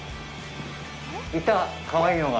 いた、かわいいのが！